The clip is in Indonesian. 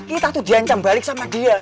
kita tuh diancam balik sama dia